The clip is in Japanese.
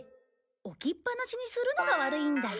置きっぱなしにするのが悪いんだ。